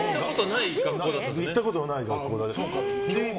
行ったことがない学校で。